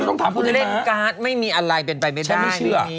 เล่นการ์ดไม่มีอะไรเป็นไปไม่ได้